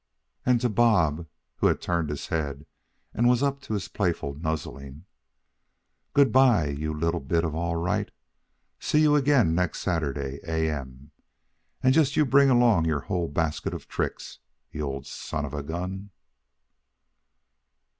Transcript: And to Bob, who had turned his head and was up to his playful nuzzling: "Good by, you little bit of all right. See you again next Sunday A.M., and just you bring along your whole basket of tricks, you old son of a gun."